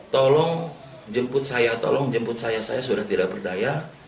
tolong jemput saya tolong jemput saya saya sudah tidak berdaya